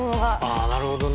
ああなるほどね。